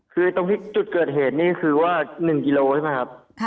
คือตรงที่จุดเกิดเหตุนี่คือว่า๑กิโลใช่ไหมครับ